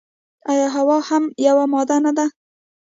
ایا هوا هم یوه ماده ده که نه.